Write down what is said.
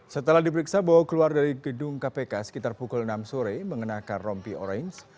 setelah diperiksa bowo keluar dari gedung kpk sekitar pukul enam sore mengenakan rompi orange